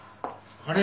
あれ？